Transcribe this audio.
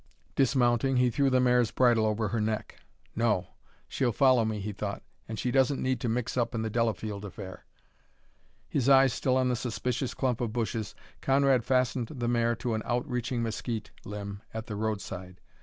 Dismounting, he threw the mare's bridle over her neck. "No; she'll follow me," he thought, "and she doesn't need to mix up in the Delafield affair." His eye still on the suspicious clump of bushes, Conrad fastened the mare to an outreaching mesquite limb at the roadside.